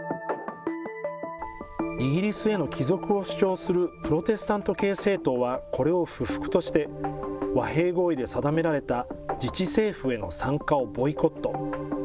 イギリスへの帰属を主張するプロテスタント系政党はこれを不服として、和平合意で定められた自治政府への参加をボイコット。